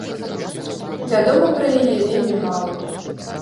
Вядома пра яе вельмі мала.